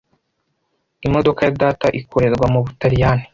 Imodoka ya data ikorerwa mu Butaliyani.